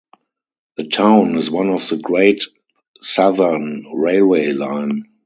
The town is on the Great Southern railway line.